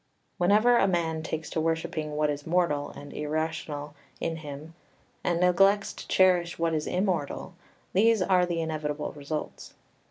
] 8 "Whenever a man takes to worshipping what is mortal and irrational in him, and neglects to cherish what is immortal, these are the inevitable results.